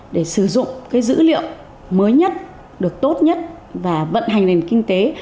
để sử dụng cái dữ liệu mới nhất được tốt nhất và vận hành nền kinh tế